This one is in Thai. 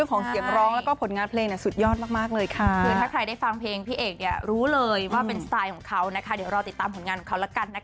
ขอบคุณมากนะคะ